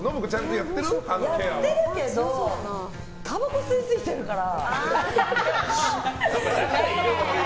やってるけどたばこ吸いすぎてるから。